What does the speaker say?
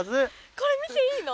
これ見ていいの？